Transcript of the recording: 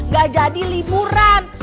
gak jadi liburan